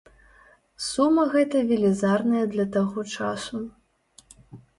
Сума гэтая велізарная для таго часу.